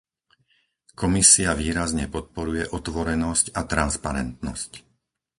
Komisia výrazne podporuje otvorenosť a transparentnosť.